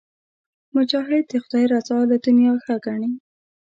مجاهد د خدای رضا له دنیا ښه ګڼي.